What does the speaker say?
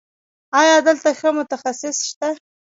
ایا دلته ښه متخصص شته؟